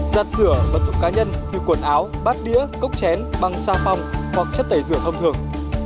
giặt rửa vật dụng cá nhân như quần áo bát đĩa cốc chén bằng xa phong hoặc chất tẩy rửa thông thường